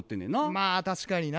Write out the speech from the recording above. まあ確かにな。